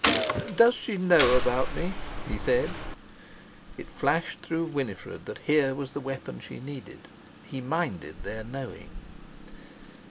"Does she know about me?" he said. It flashed through Winifred that here was the weapon she needed. _He minded their knowing!